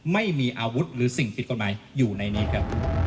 ไม่มีอาวุธหรือสิ่งผิดกฎหมายอยู่ในนี้ครับ